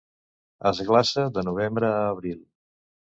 Es glaça de novembre a abril.